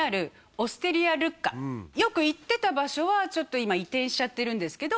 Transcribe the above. よく行ってた場所は今移転しちゃってるんですけど